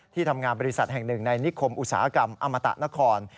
ทำงานบริษัทแห่งหนึ่งในนิคมอุตสาหกรรมอมตะนคร